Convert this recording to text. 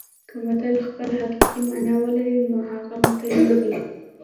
که متل خپله حقیقي مانا ولري نو هغه متل نه دی